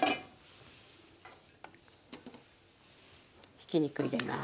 ひき肉入れます。